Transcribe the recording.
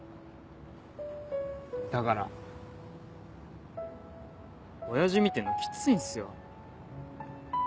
だから親父見てんのキツいんすよ。